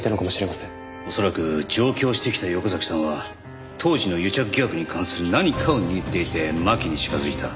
恐らく上京してきた横崎さんは当時の癒着疑惑に関する何かを握っていて巻に近づいた。